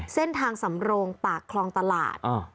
เส้นทางสำโรงปากคลองตลาด